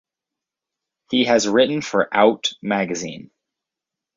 He has written for "Out" magazine.